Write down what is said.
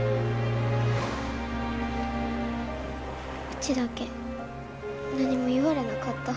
うちだけ何も言われなかった。